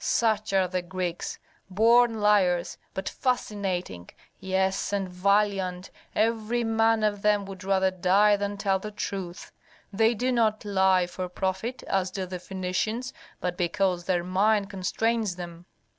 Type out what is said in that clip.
"Such are the Greeks: born liars, but fascinating; yes, and valiant. Every man of them would rather die than tell truth. They do not lie for profit, as do the Phœnicians, but because their mind constrains them."